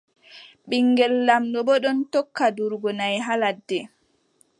Ɓiŋngel laamɗo boo ɗon tokka durugo naʼi haa ladde.